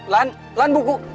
lan lan buku